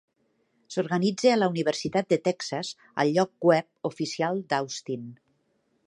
S'organitza a la Universitat de Texas al lloc web oficial d'Austin.